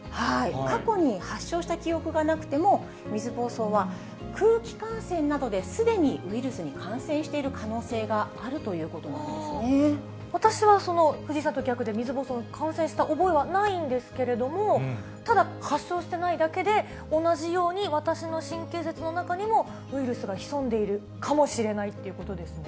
過去に発症した記憶がなくても、水ぼうそうは、空気感染などですでにウイルスに感染している可能性があるという私は藤井さんと逆で、水ぼうそうに感染した覚えはないんですけれども、ただ、発症してないだけで、同じように私の神経節の中にも、ウイルスが潜んでいるかもしれないっていうことですね。